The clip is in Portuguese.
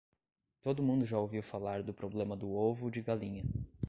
Todo mundo já ouviu falar do problema do ovo de galinha.